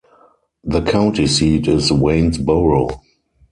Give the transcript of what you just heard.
The county seat is Waynesboro.